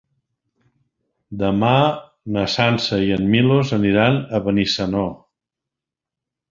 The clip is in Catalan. Demà na Sança i en Milos aniran a Benissanó.